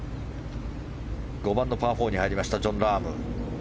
５番のパー４に入りましたジョン・ラーム。